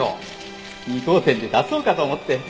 ２号店で出そうかと思って。